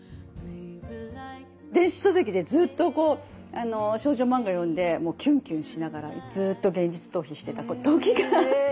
電子書籍でずっと少女漫画読んでキュンキュンしながらずっと現実逃避してた時があって。